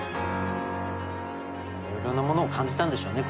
いろんなものを感じたんでしょうね